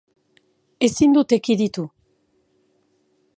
Ezin dut ekiditu.